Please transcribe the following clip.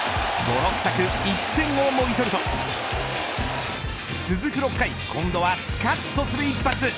泥臭く、１点をもぎ取ると続く６回今度はすかっとする一発。